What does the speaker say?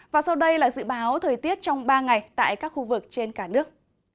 và sau đây là dự báo thời tiết trong ba ngày tại các khu vực trên cả nước